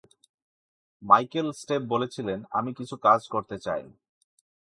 Michael Stipe বলেছিলেন, আমি কিছু কাজ করতে চাই।